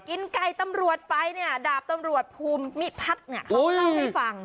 กินไก่ตำรวจไปเนี่ยดาบตำรวจภูมิพัฒน์เนี่ยเขาเล่าให้ฟัง